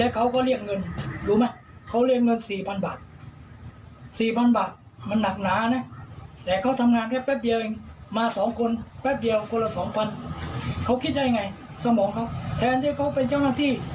เกือบตายแล้วพฤชาชนจับมาก็ตามหน้าที่